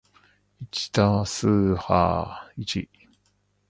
一足す一は一ー